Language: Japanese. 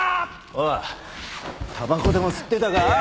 おいたばこでも吸ってたか？